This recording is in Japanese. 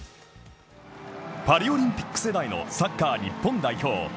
パリオリンピック世代のサッカー日本代表。